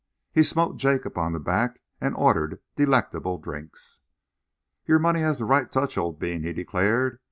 He smote Jacob on the back and ordered delectable drinks. "Your money has the right touch, old bean," he declared.